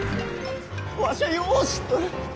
わしはよう知っとる！